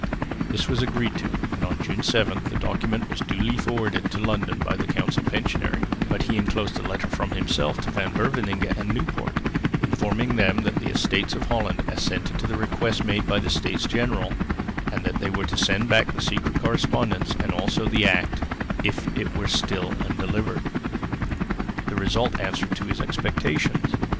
This was agreed to, and on June 7 the document was duly forwarded to London by the council pensionary; but he enclosed a letter from himself to Van Beverningh and Nieuwpoort informing them that the Estates of Holland assented to the request made by the States General, and that they were to send back the secret correspondence and also the Act, if it were still undelivered. The result answered to his expectations.